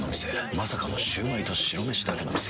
まさかのシュウマイと白めしだけの店。